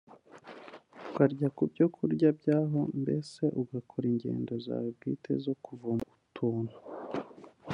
ukarya ku byo kurya by’aho mbese ugakora ingendo zawe bwite zo kuvumbura utuntu